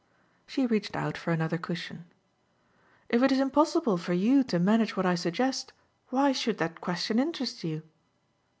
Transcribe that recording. She reached out for another cushion. "If it's impossible for you to manage what I suggest why should that question interest you?"